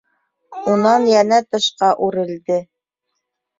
- Унан йәнә тышҡа үрелде.